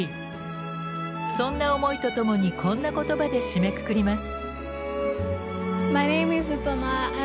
そんな思いとともにこんな言葉で締めくくります。